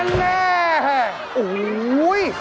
แน่โอ๊ย